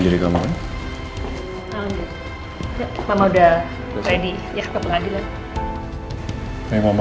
terima kasih mama